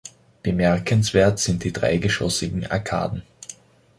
Bemerkenswert sind die dreigeschoßigen Arkaden.